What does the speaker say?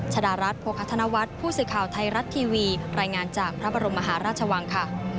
ชดารัฐโภคธนวัฒน์ผู้สื่อข่าวไทยรัฐทีวีรายงานจากพระบรมมหาราชวังค่ะ